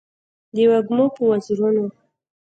د وږمو په وزرونو